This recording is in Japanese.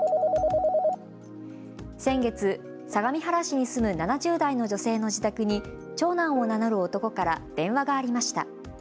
先月、相模原市に住む７０代の女性の自宅に長男を名乗る男から電話がありました。